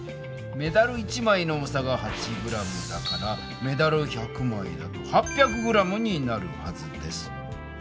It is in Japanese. メダル１枚の重さが８ｇだからメダル１００枚だと８００ｇになるはずです。